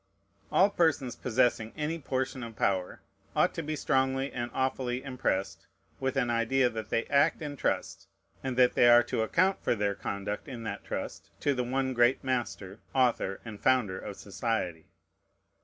All persons possessing any portion of power ought to be strongly and awfully impressed with an idea that they act in trust, and that they are to account for their conduct in that trust to the one great Master, Author, and Founder of society.